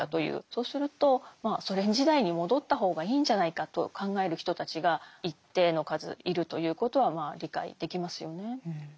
そうするとソ連時代に戻った方がいいんじゃないかと考える人たちが一定の数いるということはまあ理解できますよね。